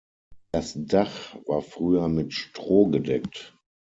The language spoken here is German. Das Dach war früher mit Stroh gedeckt.